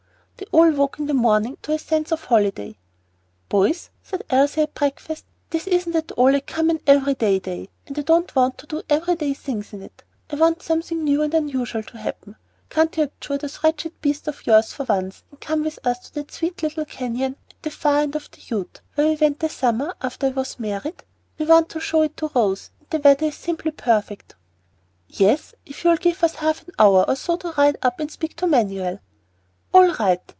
They all woke in the morning to a sense of holiday. "Boys," said Elsie at breakfast, "this isn't at all a common, every day day, and I don't want to do every day things in it. I want something new and unusual to happen. Can't you abjure those wretched beasts of yours for once, and come with us to that sweet little canyon at the far end of the Ute, where we went the summer after I was married? We want to show it to Rose, and the weather is simply perfect." "Yes, if you'll give us half an hour or so to ride up and speak to Manuel." "All right.